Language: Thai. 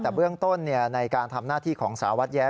แต่เบื้องต้นในการทำหน้าที่ของสารวัตรแย้